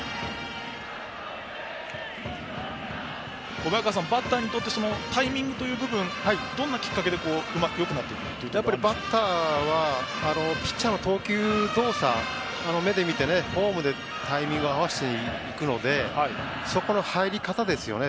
小早川さん、バッターにとってタイミングの部分はどんなきっかけでやっぱりバッターはピッチャーの投球動作を目で見て、フォームでタイミングを合わせるのでそこの入り方ですよね。